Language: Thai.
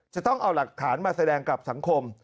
จะต้องเอาหลักฐานมาแสดงกับสังคม